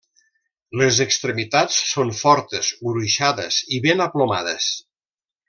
Les extremitats són fortes, gruixades i ben aplomades.